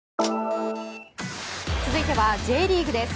続いてはＪリーグです。